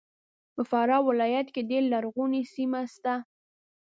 په فراه ولایت کې ډېر لرغونې سیمې سته